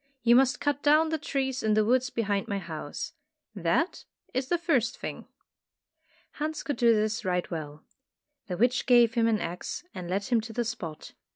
You must cut down the trees in the woods behind my house. That is the first thing." Hans could do this right well. The witch gave him an axe and led him to the spot.